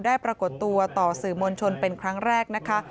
ปรากฏตัวต่อสื่อมวลชนเป็นครั้งแรกนะคะ